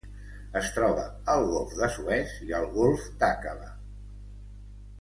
Es troba al Golf de Suez i el Golf d'Aqaba.